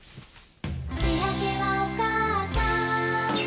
「しあげはおかあさん」